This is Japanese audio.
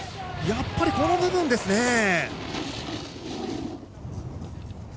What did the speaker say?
やっぱりこの部分ですね。